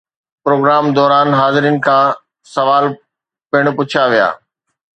programme دوران حاضرين کان سوال پڻ پڇيا ويا